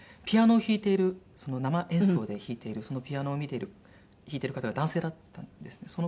ピアノを弾いている生演奏で弾いているピアノを弾いている方が男性だったんですね。